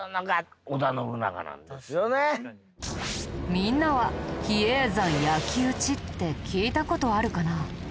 みんなは「比叡山焼き討ち」って聞いた事あるかな？